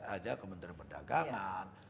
ada kementerian perdagangan